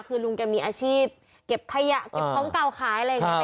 คือลุงแกมีอาชีพเก็บขยะเก็บของเก่าขายอะไรอย่างนี้